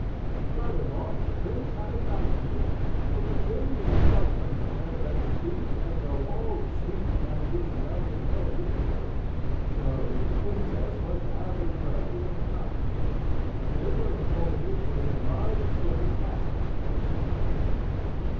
And furthermore, the Prince had a nightingale, who could sing in such a manner that it seemed as though all sweet melodies dwelt in her little throat. So the Princess was to have the rose, and the nightingale; and they were accordingly put into large silver caskets, and sent to her.